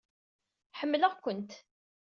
Ḥemmleɣ-kent!